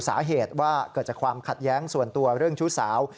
สาเหตุว่าเกิดจากความขัดแย้งส่วนตัวเรื่องชู้สาว